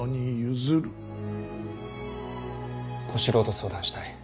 小四郎と相談したい。